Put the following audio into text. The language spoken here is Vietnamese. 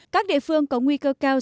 các địa phương có nguy cơ cao